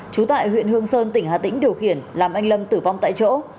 trú tại huyện hương sơn tỉnh hà tĩnh điều khiển làm anh lâm tử vong tại chỗ